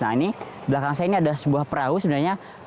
nah ini belakang saya ini ada sebuah perahu sebenarnya